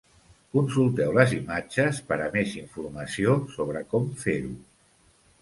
Consulteu les imatges per a més informació sobre com fer-ho.